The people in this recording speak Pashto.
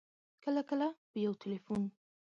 کله کله په یو ټېلفون